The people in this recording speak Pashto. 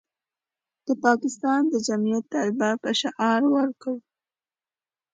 د پاکستان د جمعیت طلبه به شعار ورکاوه.